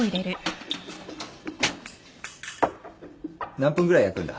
何分ぐらい焼くんだ？